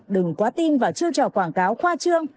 đừng quá tin và chưa trò quảng cáo khoa trương